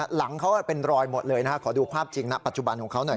หลังเขาเป็นรอยหมดเลยนะฮะขอดูภาพจริงณปัจจุบันของเขาหน่อย